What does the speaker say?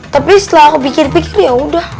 tapi setelah aku pikir pikir yaudah